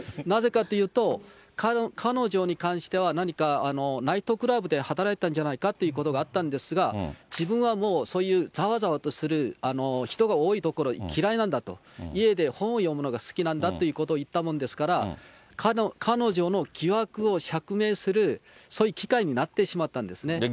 なぜかというと、彼女に関しては、何か、ナイトクラブで働いてたんじゃないかということがあったんですが、自分はもう、そういうざわざわとする、人が多いところ嫌いなんだと、家で本を読むのが好きなんだということを言ったもんですから、彼女の疑惑を釈明する、そういう機会になってしまったんですね。